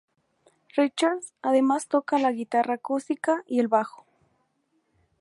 Richards además toca la guitarra acústica y el bajo.